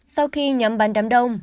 sau khi nhắm bắn đám đông